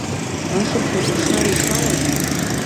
Ашырԥазы ашара ишалаз?